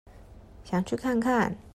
想去看看